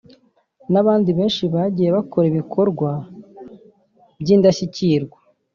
n’abandi benshi bagiye bakora ibikorwa by’indashyikirwa”